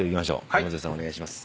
山添さんお願いします。